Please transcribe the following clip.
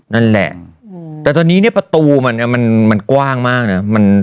นั่นแหละแต่ตอนนี้เนี่ยประตูมันมันกว้างมากนะ